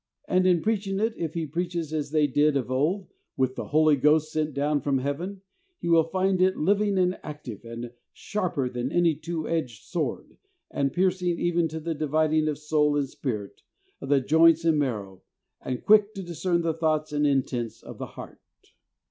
And in preaching it, if he preaches as they did of old, "with the Holy Ghost sent down from Heaven," he will find it living and active and "sharper than any two edged sword, and piercing even to the dividing of soul and spirit, of the joints and marrow, and quick to discern the thoughts and intents of the heart."